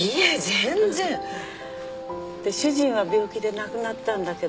全然。で主人は病気で亡くなったんだけど。